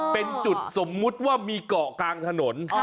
เป็นจุดสมมุติว่ามีเกาะกลางถนน